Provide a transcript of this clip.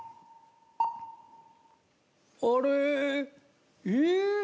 あれ？え？